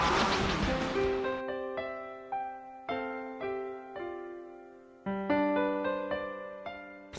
ร้องได้